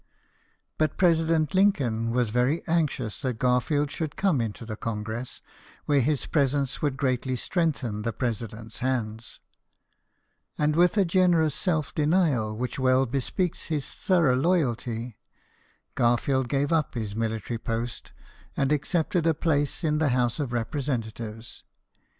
But President Lincoln was very anxious that Gar field should come into the Congress, where his presence would greatly strengthen the Presi dent's hands ; and with a generous self denial which well bespeaks his thorough loyalty, Gar field gave up his military post and accepted a place in the House of Representatives.